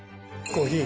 コーヒー？